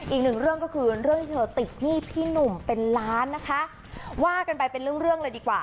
อีกหนึ่งเรื่องก็คือเรื่องที่เธอติดหนี้พี่หนุ่มเป็นล้านนะคะว่ากันไปเป็นเรื่องเรื่องเลยดีกว่า